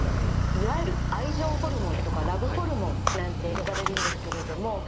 いわゆる「愛情ホルモン」とか「ラブホルモン」なんて呼ばれるんですけれども。